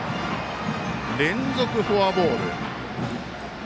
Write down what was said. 連続フォアボール。